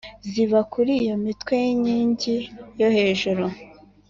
ziba kuri iyo mitwe y’inkingi yo hejuru